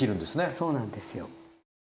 そうなんですよ。